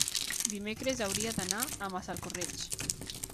dimecres hauria d'anar a Massalcoreig.